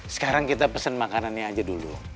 sekarang kita pesen makanannya aja dulu